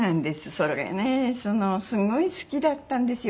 それがねすごい好きだったんですよ